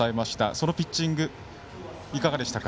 そのピッチングいかがでしたか？